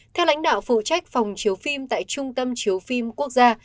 theo lãnh đạo phụ trách phòng chiếu phim tại trung tâm chiếu phim quốc gia